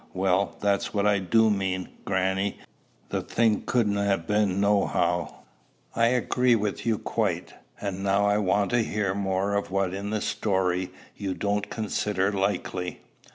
"Well, that's what I do mean, grannie. The thing couldn't ha' been, nohow." "I agree with you quite. And now I want to hear more of what in the story you don't consider likely."